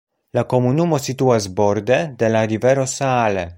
La komunumo situas borde de la rivero Saale.